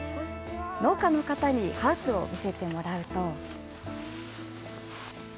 農家の方にハウスを見せてもらうと。